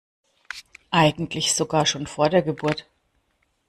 Eigentlich sogar schon vor der Geburt.